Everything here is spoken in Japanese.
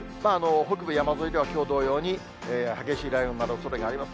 北部山沿いではきょう同様に激しい雷雨になるおそれがあります。